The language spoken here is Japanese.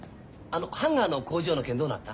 ハンガーの工場の件どうなった？